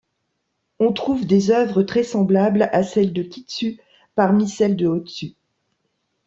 On trouve des œuvres très semblables à celles de Kiitsu parmi celles de Hōitsu.